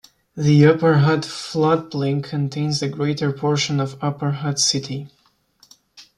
The Upper Hutt floodplain contains the greater portion of Upper Hutt city.